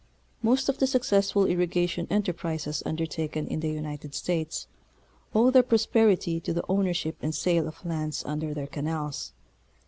Most of the successful irrigation enterprises undertaken in the United States owe their prosperity to the ownership and sale of lands under their canals.